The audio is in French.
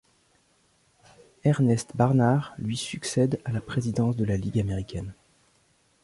Ernest Barnard lui succède à la présidence de la Ligue américaine.